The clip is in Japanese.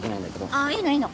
あっいいのいいの。